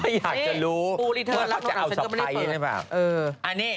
อยากจะรู้เพื่อจะเอาสะพายหรือเปล่านี่ปูลีเทิร์นล่ะน้องเราเสร็จก็ไม่ได้เปิด